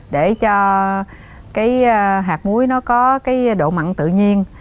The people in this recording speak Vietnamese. để cho hạt muối nó có độ mặn tự nhiên